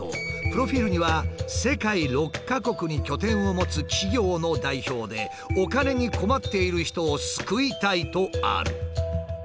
プロフィールには世界６か国に拠点を持つ企業の代表でお金に困っている人を救いたいとある。